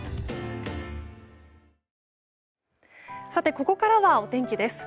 ここからは、お天気です。